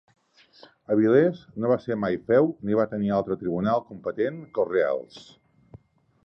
Avilés no va ser mai feu ni va tenir altre tribunal competent que els reals.